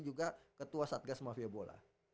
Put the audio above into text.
juga ketua satgas mafia bola